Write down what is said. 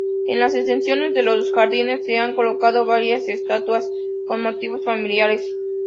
En la extensión de los jardines se han colocado varias estatuas con motivos familiares.